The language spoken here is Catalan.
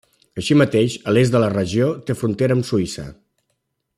Així mateix, a l'est de la regió té frontera amb Suïssa.